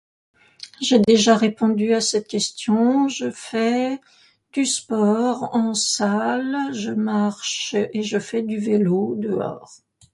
J'ai déjà répondu à cette question. Je fais du sport, en salle, je marche et je fais du vélo dehors.